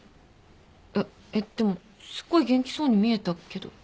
いやえっでもすっごい元気そうに見えたけど。